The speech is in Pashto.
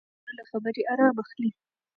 ماشوم د مور له خبرې ارام اخلي.